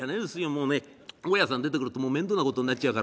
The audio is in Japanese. もうね大家さん出てくるともう面倒なことになっちゃうからね。